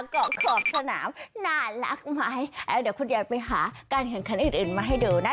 เกาะขอบสนามน่ารักไหมแล้วเดี๋ยวคุณยายไปหาการแข่งขันอื่นอื่นมาให้ดูนะ